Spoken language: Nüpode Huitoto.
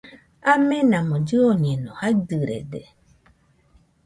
Amenamo llɨoñeno, jaidɨrede